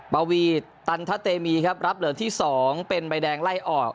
ปวีตันทะเตมีครับรับเหลืองที่๒เป็นใบแดงไล่ออก